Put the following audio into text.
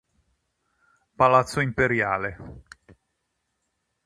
Palazzo imperiale